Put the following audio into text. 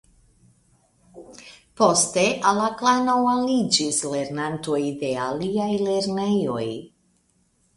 Poste al la Klano aliĝis lernantoj de aliaj lernejoj.